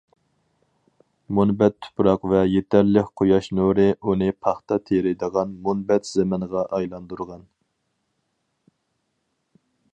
مۇنبەت تۇپراق ۋە يېتەرلىك قۇياش نۇرى ئۇنى پاختا تېرىيدىغان مۇنبەت زېمىنغا ئايلاندۇرغان.